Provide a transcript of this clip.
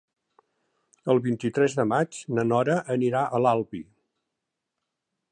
El vint-i-tres de maig na Nora anirà a l'Albi.